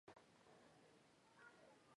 我会找专家来处理